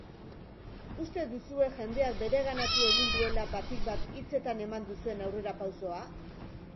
Uste duzue jendeak bereganatu egin duela batik bat hitzetan eman duzuen aurrerapausoa?